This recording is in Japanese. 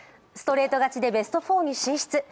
ストレート勝ちでベスト４に進出。